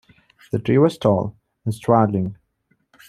The tree was tall and straggling.